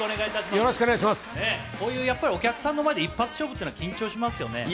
こういうお客さんの前で一発勝負というのは緊張しますよね？